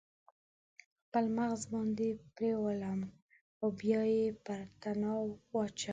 خپل مغز باندې پریولم او بیا یې پر تناو اچوم